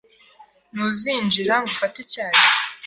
Ntuzinjira ngo ufate icyayi?